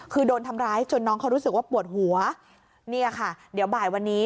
คือโดนทำร้ายจนน้องเขารู้สึกว่าปวดหัวเนี่ยค่ะเดี๋ยวบ่ายวันนี้